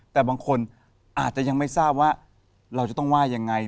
แต่บางคนอาจจะยังไม่ทราบว่าเราจะต้องว่ายังไง